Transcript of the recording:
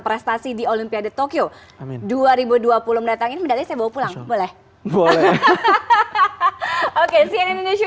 prestasi di olympiade tokyo dua ribu dua puluh datangin dari saya bawa pulang boleh boleh hahaha oke si indonesia